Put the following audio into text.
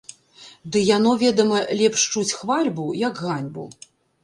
Ды яно, ведама, лепш чуць хвальбу, як ганьбу.